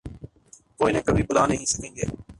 وہ انہیں کبھی بھلا نہیں سکیں گے۔